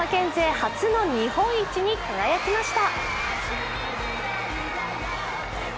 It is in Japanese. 初の日本一に輝きました。